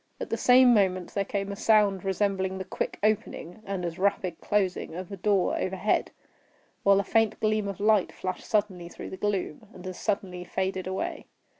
At the same moment there came a sound resembling the quick opening, and as rapid closing of a door overhead, while a faint gleam of light flashed suddenly through the gloom, and as suddenly faded away.